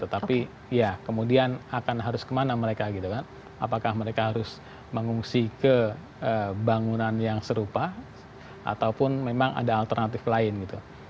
tetapi ya kemudian akan harus kemana mereka gitu kan apakah mereka harus mengungsi ke bangunan yang serupa ataupun memang ada alternatif lain gitu